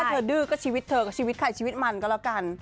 เธอดื้อก็ชีวิตเธอกับชีวิตใครชีวิตมันก็แล้วกัน